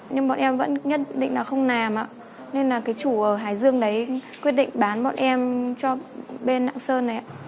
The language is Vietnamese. nhưng bọn em vẫn nhận định là không làm ạ nên là cái chủ ở hải dương đấy quyết định bán bọn em cho bên lạng sơn này ạ